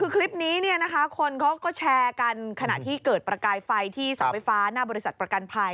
คือคลิปนี้คนเขาก็แชร์กันขณะที่เกิดประกายไฟที่เสาไฟฟ้าหน้าบริษัทประกันภัย